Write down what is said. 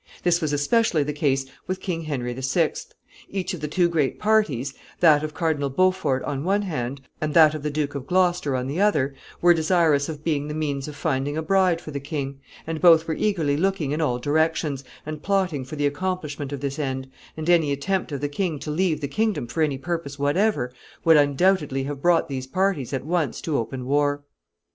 This was especially the case with King Henry VI. Each of the two great parties, that of Cardinal Beaufort on one hand, and that of the Duke of Gloucester on the other, were desirous of being the means of finding a bride for the king, and both were eagerly looking in all directions, and plotting for the accomplishment of this end, and any attempt of the king to leave the kingdom for any purpose whatever would undoubtedly have brought these parties at once to open war. [Sidenote: Plan of the Duke of Gloucester.